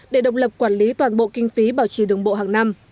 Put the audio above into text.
để độc lập quản lý toàn bộ kinh phí bảo trì đường bộ hàng năm